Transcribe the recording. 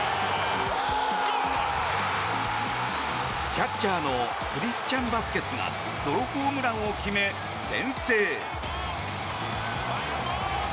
キャッチャーのクリスチャン・バスケスがソロホームランを決め、先制。